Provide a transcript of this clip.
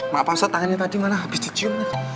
maaf pak ustadz tangannya tadi mana habis dicium